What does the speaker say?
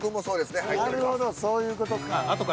なるほどそういう事か。